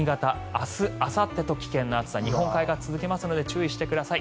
明日、あさってと危険な暑さ日本海側続きますので注意してください。